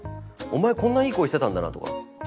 「お前こんないい声してたんだな」とか。